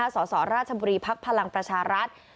สสราชบุรีภักดิ์พลังประชารัฐ